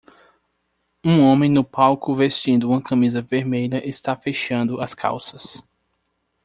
Um homem no palco vestindo uma camisa vermelha está fechando as calças.